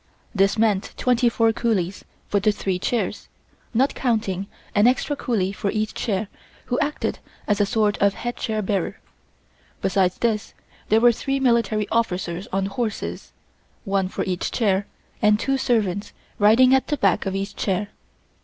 This meant twenty four coolies for the three chairs, not counting an extra coolie for each chair who acted as a sort of head chair bearer. Besides this there were three military officers on horses, one for each chair and two servants riding at the back of each chair.